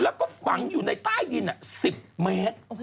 แล้วก็ฝังอยู่ในใต้ดิน๑๐เมตร